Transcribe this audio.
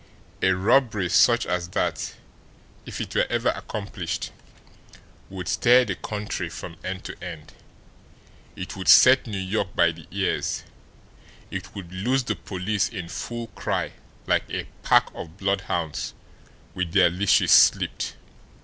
A robbery such as that, if it were ever accomplished, would stir the country from end to end; it would set New York by the ears; it would loose the police in full cry like a pack of bloodhounds with their leashes slipped.